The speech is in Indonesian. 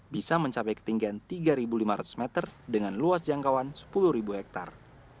bisa mencapai ketinggian tiga lima ratus meter dengan luas jangkauan sepuluh hektare